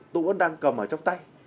tôi vẫn đang cầm ở trong tay